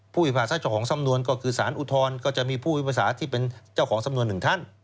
พิพาทซะเจ้าของสำนวนก็คือสารอุทธรณ์ก็จะมีผู้พิพากษาที่เป็นเจ้าของสำนวนหนึ่งท่าน